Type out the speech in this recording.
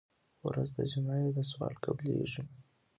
ورځ د جمعې ده سوال قبلېږي.